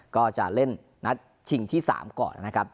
ก็จะเล่นนัดชิงที่๓ก่อนนะครับ